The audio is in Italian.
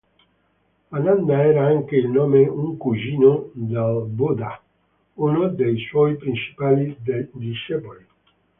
Ananda era anche il nome un cugino del Buddha, uno dei suoi principali discepoli.